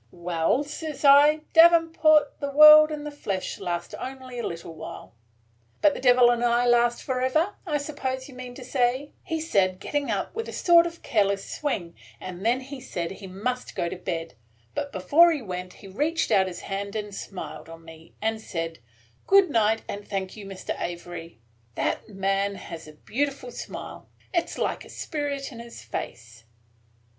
"'Well,' says I, 'davenport, the world and the flesh last only a little while –' "'But the Devil and I last forever, I suppose you mean to say,' said he, getting up with a sort of careless swing; and then he said he must go to bed; but before he went he reached out his hand and smiled on me, and said, 'Good night, and thank you, Mr. Avery.' That man has a beautiful smile. It 's like a spirit in his face."